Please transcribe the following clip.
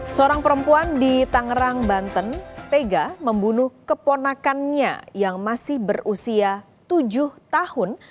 seorang perempuan di tangerang banten tega membunuh keponakannya yang masih berusia tujuh tahun